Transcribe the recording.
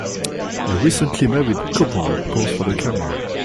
A recently married couple pose for the camera.